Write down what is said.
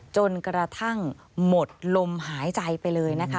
จนกระทั่งหมดลมหายใจไปเลยนะคะ